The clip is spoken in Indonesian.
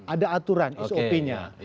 ada aturan sop nya